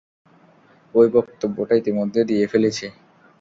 ওই বক্তব্যটা ইতিমধ্যে দিয়ে ফেলেছি।